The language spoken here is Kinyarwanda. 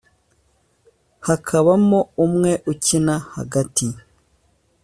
hakabamo umwe ukina hagati